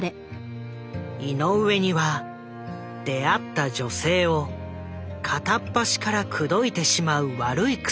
井上には出会った女性を片っ端から口説いてしまう悪い癖があった。